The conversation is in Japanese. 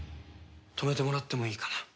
止めてもらってもいいかな？